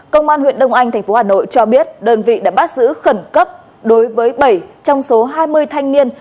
công an huyện đông anh tp hà nội cho biết đơn vị đã bắt giữ khẩn cấp đối với bảy trong số hai mươi thanh niên